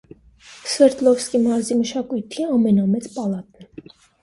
Սվերդլովսկի մարզի մշակույթի ամենամեծ պալատն է։